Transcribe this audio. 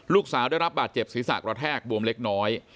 ลูกสาวได้รับบาดเจ็บศีรษะกระแทกบวมเล็กน้อย